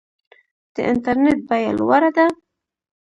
د انټرنیټ بیه لوړه ده؟